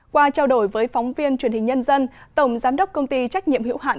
qua trao đổi với phóng viên truyền hình nhân dân tổng giám đốc công ty trách nhiệm hữu hạn